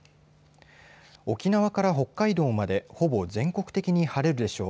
沖縄から北海道までほぼ全国的に晴れるでしょう。